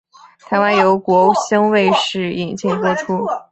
台湾由国兴卫视引进播出。